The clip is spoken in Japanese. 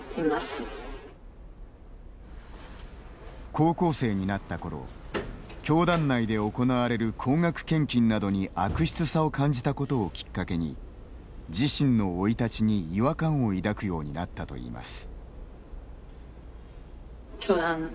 高校生になったころ教団内で行われる高額献金などに悪質さを感じたことをきっかけに自身の生い立ちに、違和感を抱くようになったといいます。